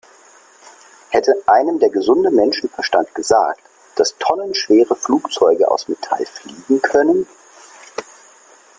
Hätte einem der gesunde Menschenverstand gesagt, dass tonnenschwere Flugzeuge aus Metall fliegen können?